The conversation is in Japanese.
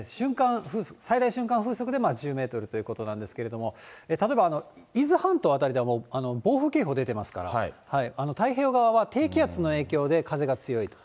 最大瞬間風速で１０メートルということなんですけれども、例えば伊豆半島辺りではもう暴風警報出てますから、太平洋側は低気圧の影響で風が強いと。